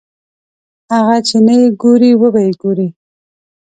هغه چې نه یې ګورې وبه یې ګورې.